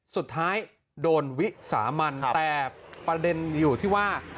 สุดท้ายโดนวิสามันแต่ประเด็นอยู่ที่ว่า